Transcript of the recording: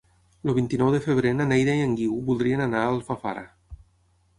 El vint-i-nou de febrer na Neida i en Guiu voldrien anar a Alfafara.